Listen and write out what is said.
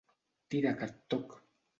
Tira que et toc!